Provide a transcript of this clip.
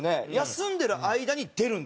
休んでる間に出るんですか？